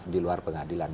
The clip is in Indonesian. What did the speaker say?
di luar pengadilan